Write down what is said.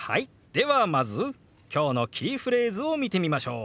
ではまず今日のキーフレーズを見てみましょう。